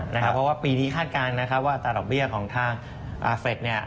เพราะว่าปีนี้คาดการณ์นะครับว่าอัตราดอกเบี้ยของทางเฟรดเนี่ย